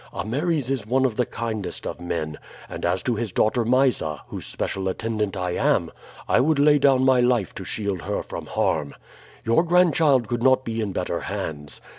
Ameres is one of the kindest of men; and as to his daughter Mysa, whose special attendant I am, I would lay down my life to shield her from harm. Your grandchild could not be in better hands.